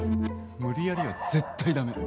無理やりは、絶対、駄目。